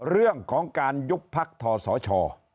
เรื่องของการยุบพักทศช